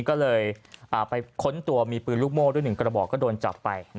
ก็เลยไปค้นตัวมีปืนลูกโม่ด้วย๑กระบอกก็โดนจับไป